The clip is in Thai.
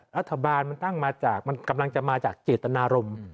รัฐบาลมันตั้งมาจากเจตนารมณ์